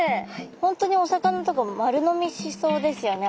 本当にお魚とか丸飲みしそうですよね